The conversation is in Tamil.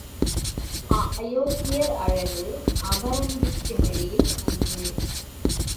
அயோக்கியர் அழகு அபரஞ்சிச் சிமிழில் நஞ்சு.